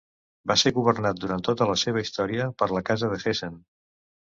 Va ser governat durant tota la seva història per la Casa de Hessen.